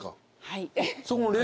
はい。